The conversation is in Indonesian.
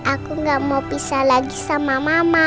aku gak mau pisah lagi sama mama